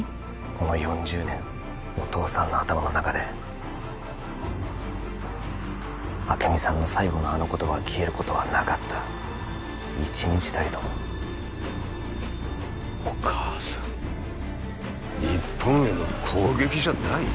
この４０年お父さんの頭の中で明美さんの最後のあの言葉は消えることはなかった一日たりともお母さん日本への攻撃じゃない？